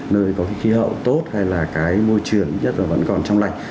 nơi có cái khí hậu tốt hay là cái môi trường nhất là vẫn còn trong lành